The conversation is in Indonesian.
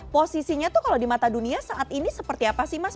posisinya tuh kalau di mata dunia saat ini seperti apa sih mas